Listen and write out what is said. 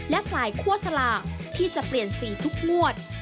และฝ่ายคั่วสลากที่จะเปลี่ยนสีทุกงวด